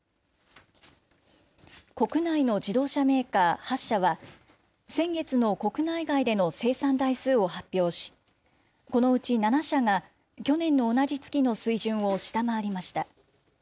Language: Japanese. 国内の自動車メーカー８社は、先月の国内外での生産台数を発表し、このうち７社が、去年の同じ月の水準を下回りました。